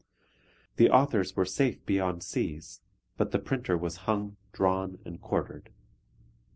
The authors were safe beyond seas, but the printer was hung, drawn, and quartered.